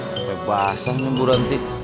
sampai basah nih buranti